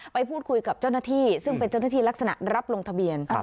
ไปพูดคุยกับเจ้าหน้าที่ซึ่งเป็นเจ้าหน้าที่ลักษณะรับลงทะเบียน